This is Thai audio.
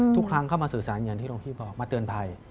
ทุกครั้งเข้ามาสื่อสารอย่างที่หลวงพี่บอกมาเตือนภัย